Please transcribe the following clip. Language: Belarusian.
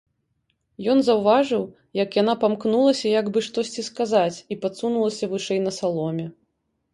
Ён заўважыў, як яна памкнулася як бы штосьці сказаць і падсунулася вышэй на саломе.